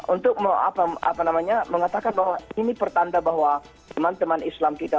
untuk mengatakan bahwa ini pertanda bahwa teman teman islam kita